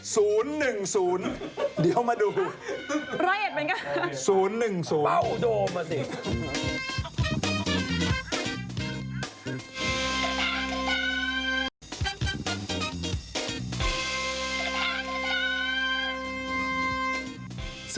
ละเอียดเหมือนกันครับ๐๑๐ป้าวโดมอะสิ